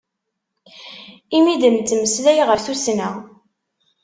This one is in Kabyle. Imi i d-nettmeslay ɣef tussna.